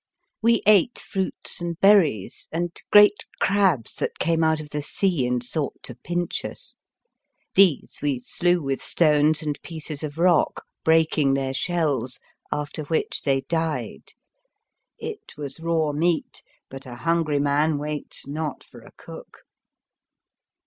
We ate fruits and berries, and great crabs that came out of the sea and sought to pinch us. These we slew with stones and pieces of rock, breaking their shells, after which they died. It was raw meat, but a hungry man waits not for a cook.